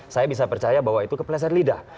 saya bisa percaya bahwa itu keplesan lidah